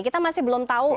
kita masih belum tahu